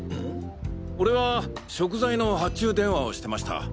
俺は食材の発注電話をしてました。